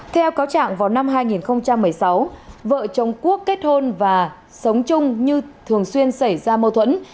theo cáo trạng vào năm hai nghìn một mươi sáu vợ chồng quốc kết hôn và sống chung như thường xuyên xảy ra mâu thuẫn